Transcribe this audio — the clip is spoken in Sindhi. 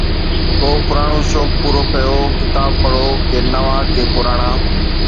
ڪو پراڻو شوق پورو ڪيو، ڪتاب پڙهو، ڪي نوان، ڪي پراڻا